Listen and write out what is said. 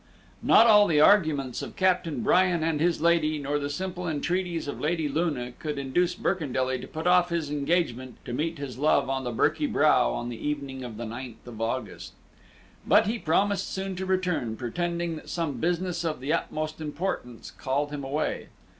Not all the arguments of Captain Bryan and his lady, nor the simple entreaties of Lady Luna, could induce Birkendelly to put off his engagement to meet his love on the Birky Brow on the evening of the 9th of August; but he promised soon to return, pretending that some business of the utmost importance called him away.